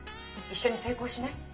一緒に成功しない？